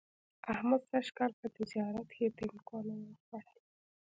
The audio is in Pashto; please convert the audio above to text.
احمد سږ کال په تجارت کې تیندکونه و خوړل